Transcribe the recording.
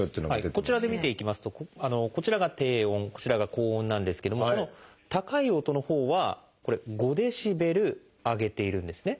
こちらで見ていきますとこちらが低音こちらが高音なんですけどもこの高い音のほうはこれ５ｄＢ上げているんですね。